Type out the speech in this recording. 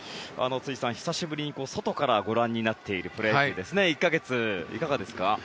辻さん、久しぶりに外からご覧になっているプロ野球ですね１か月、いかがですか？